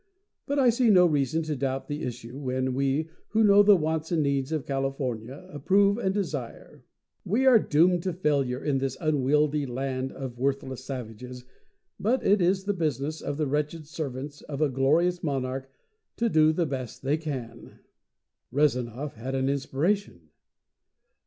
But I see no reason to doubt the issue when we, who know the wants and needs of California, approve and desire. We are doomed to failure in this unwieldy land of worthless savages, but it is the business of the wretched servants of a glorious monarch to do the best they can." Rezanov had an inspiration.